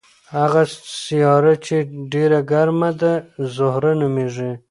هغه سیاره چې ډېره ګرمه ده زهره نومیږي.